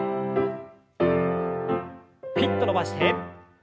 ピッと伸ばして。